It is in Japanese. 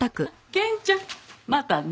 賢ちゃんまたね。